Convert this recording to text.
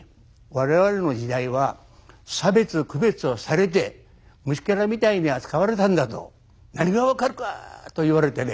我々の時代は差別区別をされて虫けらみたいに扱われたんだと何が分かるか！と言われてね